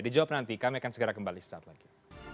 dijawab nanti kami akan segera kembali saat lagi